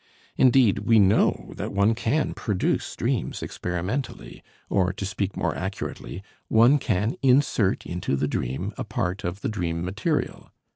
Indeed, we know that one can produce dreams experimentally, or to speak more accurately, one can insert into the dream a part of the dream material.